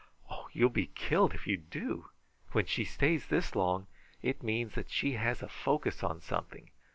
"You'll be killed if you do! When she stays this long, it means that she has a focus on something.